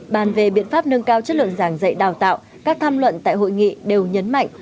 bàn về biện pháp nâng cao chất lượng giảng dạy đào tạo các tham luận tại hội nghị đều nhấn mạnh